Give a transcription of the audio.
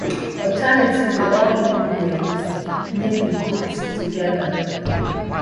Alternately, all ingredients may be cooked together.